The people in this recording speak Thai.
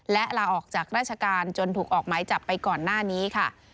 และลาออกจากราชการจนถูกออกหมายจับไปก่อนหน้านี้ค่ะ